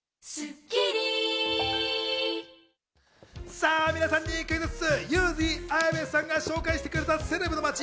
さぁ皆さんにクイズッス！